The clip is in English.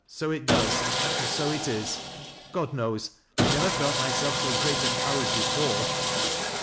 " So it does, and so it is. God knows I never felt myself so great a coward before